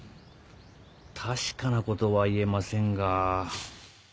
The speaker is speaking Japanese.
確かな事は言えませんが。